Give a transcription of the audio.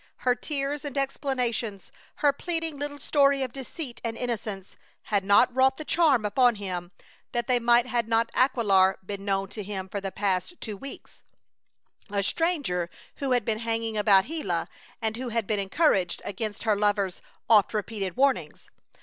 Her tears and explanations, her pleading little story of deceit and innocence, had not wrought the charm upon him that they might had not Aquilar been known to him for the past two weeks, a stranger who had been hanging about Gila, and who had been encouraged against her lover's oft repeated warnings.